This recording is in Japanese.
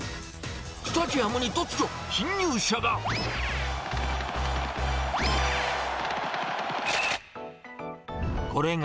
スタジアムに突如、侵入者が。